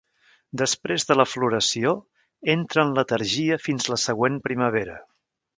Després de la floració, entra en letargia fins la següent primavera.